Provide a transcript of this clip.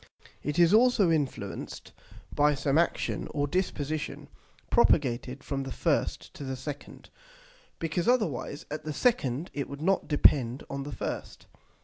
It is also influenced by some action or disposition, propagated from the first to the second, because otherwise at the second it would not depend on the first.